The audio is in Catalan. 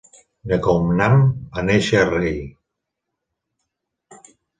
Nekounam va néixer a Rey.